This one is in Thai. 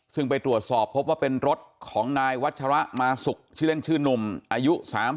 ซึ่งไปตรวจสอบพบว่าเป็นรถของนายวัชระมาสุกชื่อเล่นชื่อนุ่มอายุ๓๐